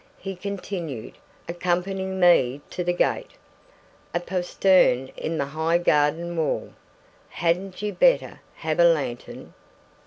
he continued, accompanying me to the gate, a postern in the high garden wall. "Hadn't you better have a lantern?"